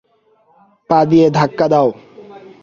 পা দিয়ে ধাক্কা দাও!